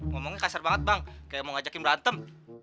ngomongnya kasar banget bang kayak mau ngajakin berantem